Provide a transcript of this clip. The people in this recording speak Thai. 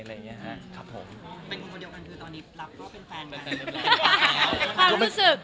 เป็นคนเดียวกันคือตอนนี้รับรู้ว่าเป็นแฟนกัน